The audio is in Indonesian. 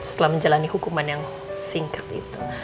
setelah menjalani hukuman yang singkat itu